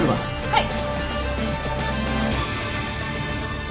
はい。